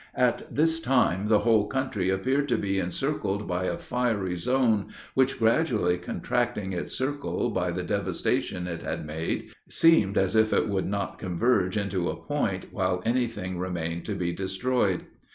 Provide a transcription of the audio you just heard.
At this time, the whole country appeared to be encircled by a fiery zone, which, gradually contracting its circle by the devastation it had made, seemed as if it would not converge into a point while any thing remained to be destroyed.